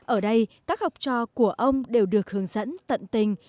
ở đây các học trò của ông đều được hướng dẫn tận tình